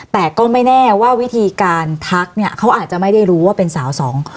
แต่ก็ไม่แน่ว่าวิธีการทักเนี่ยเขาอาจจะไม่ได้รู้ว่าเป็นสาวสอง